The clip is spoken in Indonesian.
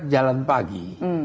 mengajak masyarakat jalan pagi